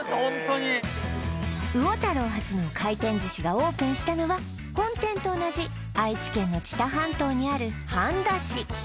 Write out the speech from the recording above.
魚太郎初の回転寿司がオープンしたのは本店と同じ愛知県の知多半島にある半田市